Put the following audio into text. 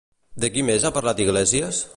De qui més ha parlat Iglesias?